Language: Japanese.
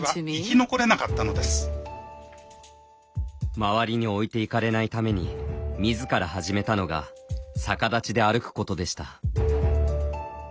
周りに置いていかれないためにみずから始めたのが逆立ちで歩くことでした。